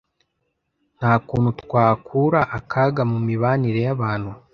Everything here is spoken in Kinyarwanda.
nta kuntu twakura akaga mu mibanire y'abantu